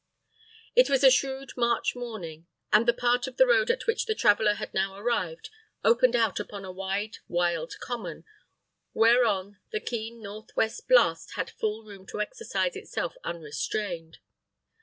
It was a shrewd March morning, and the part of the road at which the traveller had now arrived opened out upon a wide wild common, whereon the keen north west blast had full room to exercise itself unrestrained.